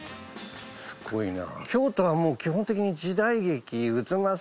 すごいな。